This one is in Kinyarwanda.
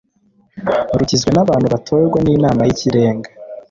rugizwe n abantu batorwa n inama y ikirenga